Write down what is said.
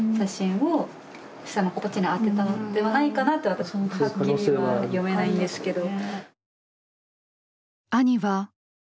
私もはっきりは読めないんですけど。